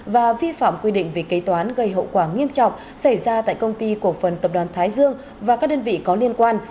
và vi phạm quy định về kế toán gây hậu quả nghiêm trọng xảy ra tại công ty cổ phần tập đoàn thái dương và các đơn vị có liên quan